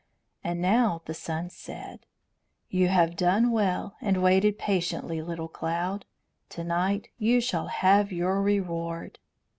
And now the sun said: "You have done well and waited patiently, little cloud. To night you shall have your reward."